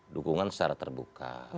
dukungan secara terbuka